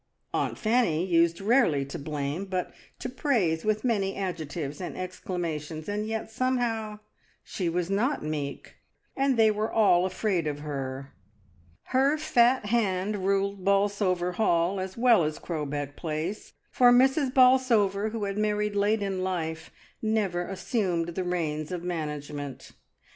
Aunt Fanny used rarely to blame, but to praise with many adjectives and exclamations, and yet somehow she was not meek, and they were all afraid of her. Her fat hand ruled Bolsover Hall as well as Crowbeck Place, for Mrs. Bolsover, who had married late in life, never assumed the reins of management.